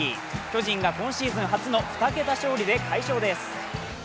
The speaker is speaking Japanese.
巨人が今シーズン初の２桁勝利で快勝です。